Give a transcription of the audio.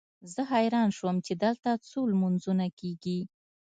زه حیران شوم چې دلته څو لمونځونه کېږي.